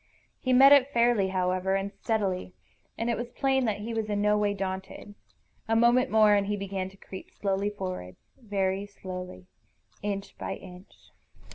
He met it fairly, however, and steadily, and it was plain that he was in no way daunted. A moment more and he began to creep slowly forward, very slowly, inch by inch.